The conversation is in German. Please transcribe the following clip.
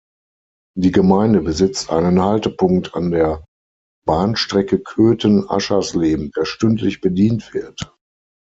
Die Gemeinde besitzt einen Haltepunkt an der Bahnstrecke Köthen–Aschersleben, der stündlich bedient wird.